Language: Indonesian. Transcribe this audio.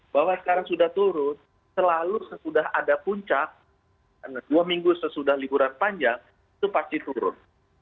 bahwa sekarang sudah turun selalu sesudah ada puncak dua minggu sesudah liburan panjang itu pasti turun